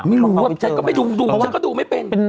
ไม่รู้ว่าแต่ก็ไม่ถึงดูจะก็ดูไม่เป็น